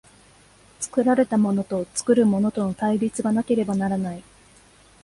作られたものと作るものとの対立がなければならない。